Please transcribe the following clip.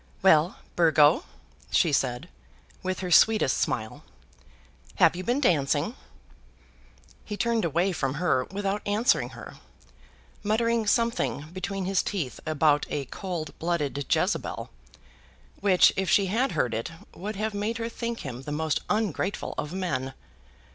"Well, Burgo," she said, with her sweetest smile, "have you been dancing?" He turned away from her without answering her, muttering something between his teeth about a cold blooded Jezebel, which, if she had heard it, would have made her think him the most ungrateful of men.